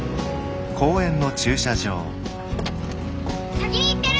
先に行ってる！